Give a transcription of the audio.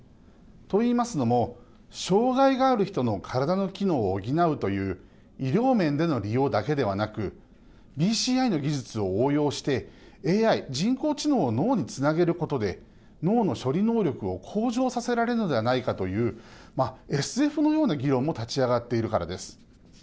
といいますのも障害がある人の体の機能を補うという医療面での利用だけではなくＢＣＩの技術を応用してＡＩ＝人工知能を脳につなげることで脳の処理能力を向上させられるのではないかというまあ、ＳＦのような議論も立ち上がっているからです。